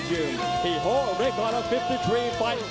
ที่โหลดเรียกการ๕๓ต่อ